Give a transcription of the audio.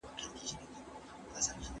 زلمي بېریږي له محتسبه